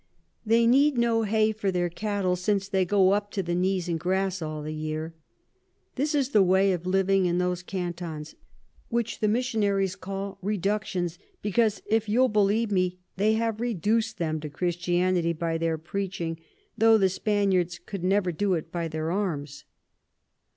They need no Hay for their Cattel, since they go up to the knees in Grass all the year. This is the way of living in those Cantons, which the Missionaries call Reductions, because, if you'll believe 'em, they have reduc'd them to Christianity by their Preaching, tho the Spaniards could never do it by their Arms.